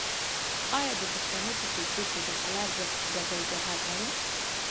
آیا د پښتنو په کلتور کې د حلال رزق ګټل جهاد نه دی؟